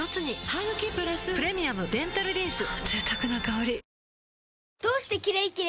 ハグキプラス「プレミアムデンタルリンス」